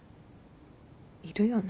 いるよね。